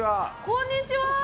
こんにちは。